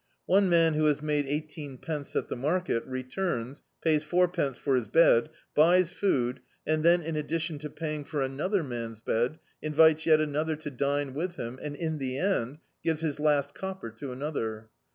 One man who has made ei^teen pence at the market, returns, pays four pence for his bed, buys food, and then in additicHi to paying for another man's bed, invites yet another to dine with him and in the end gives his last copper to another.